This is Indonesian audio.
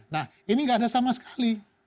nah ini nggak ada sama sekali